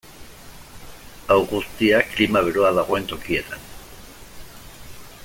Hau guztia, klima beroa dagoen tokietan.